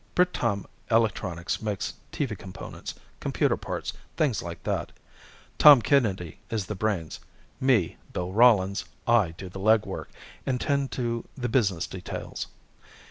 Biltom Electronics makes TV components, computer parts, things like that. Tom Kennedy is the brains. Me, Bill Rawlins, I do the legwork, and tend to the business details.